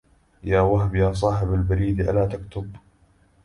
يا وهب يا صاحب البريد ألا تكتب